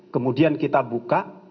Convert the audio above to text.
kemudian kita buka